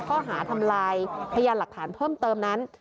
ข้อหาทำลายพยานหลักฐานเพิ่มเติมนั้น